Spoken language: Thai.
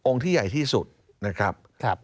ที่ใหญ่ที่สุดนะครับ